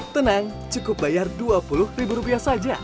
tenang cukup bayar dua puluh ribu rupiah saja